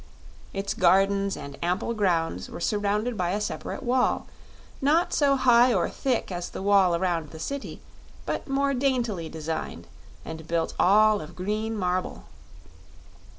Its gardens and ample grounds were surrounded by a separate wall, not so high or thick as the wall around the City, but more daintily designed and built all of green marble.